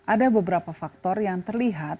ada beberapa faktor yang terlihat